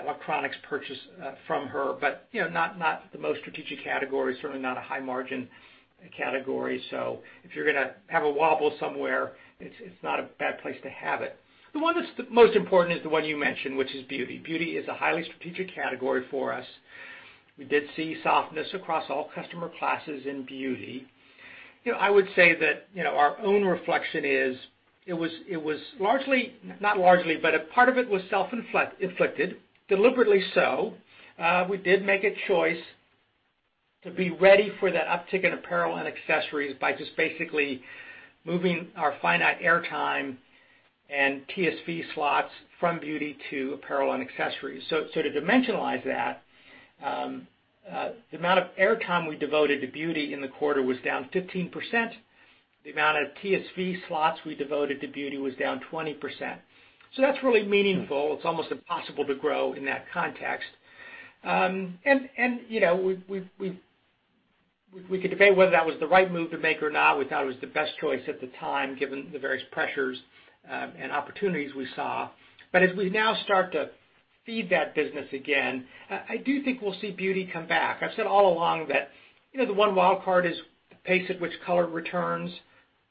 electronics purchase from her, but not the most strategic category, certainly not a high-margin category. If you're going to have a wobble somewhere, it's not a bad place to have it. The one that's the most important is the one you mentioned, which is beauty. Beauty is a highly strategic category for us. We did see softness across all customer classes in beauty. I would say that our own reflection is it was not largely, but a part of it was self-inflicted, deliberately so. We did make a choice to be ready for that uptick in apparel and accessories by just basically moving our finite air time and TSV slots from beauty to apparel and accessories. To dimensionalize that, the amount of air time we devoted to beauty in the quarter was down 15%. The amount of TSV slots we devoted to beauty was down 20%. That's really meaningful. It's almost impossible to grow in that context. We could debate whether that was the right move to make or not. We thought it was the best choice at the time, given the various pressures and opportunities we saw. As we now start to feed that business again, I do think we'll see beauty come back. I've said all along that the one wild card is the pace at which color returns.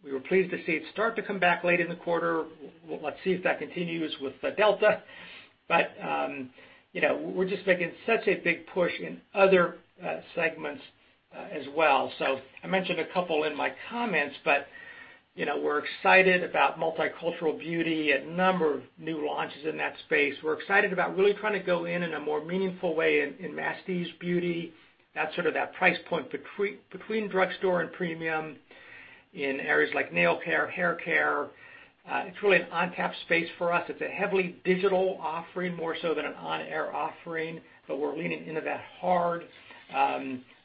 We were pleased to see it start to come back late in the quarter. Let's see if that continues with the Delta. We're just making such a big push in other segments as well. I mentioned a couple in my comments, but we're excited about multicultural beauty. A number of new launches in that space. We're excited about really trying to go in in a more meaningful way in masstige beauty. That's sort of that price point between drugstore and premium in areas like nail care, hair care. It's really an untapped space for us. It's a heavily digital offering, more so than an on-air offering, but we're leaning into that hard.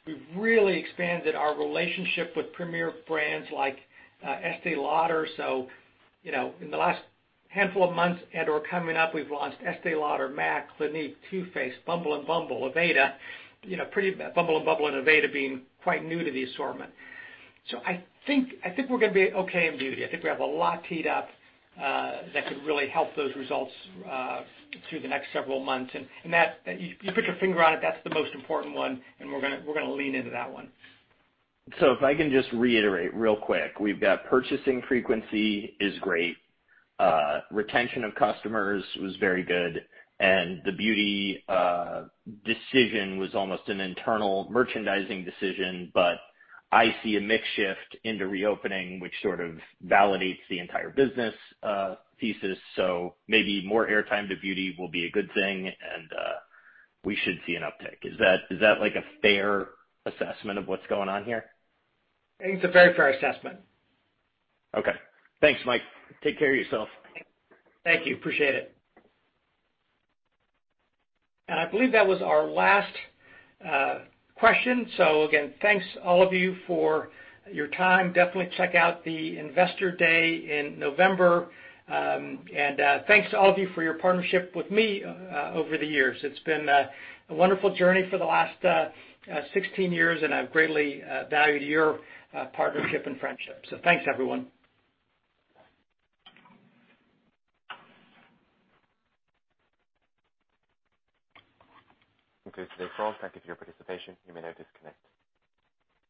We've really expanded our relationship with premier brands like Estée Lauder. In the last handful of months and/or coming up, we've launched Estée Lauder, M·A·C, Clinique, Too Faced, Bumble and bumble, Aveda. Bumble and bumble and Aveda being quite new to the assortment. I think we're going to be okay in beauty. I think we have a lot teed up that could really help those results through the next several months. You put your finger on it, that's the most important one, and we're going to lean into that one. If I can just reiterate real quick, we've got purchasing frequency is great. Retention of customers was very good, and the beauty decision was almost an internal merchandising decision. I see a mix shift into reopening, which sort of validates the entire business thesis. Maybe more air time to beauty will be a good thing, and we should see an uptick. Is that like a fair assessment of what's going on here? I think it's a very fair assessment. Okay. Thanks, Mike. Take care of yourself. Thank you. Appreciate it. I believe that was our last question. Again, thanks all of you for your time. Definitely check out the Investor Day in November. Thanks to all of you for your partnership with me over the years. It's been a wonderful journey for the last 16 years, and I've greatly valued your partnership and friendship. Thanks, everyone. That concludes today's call. Thank you for your participation.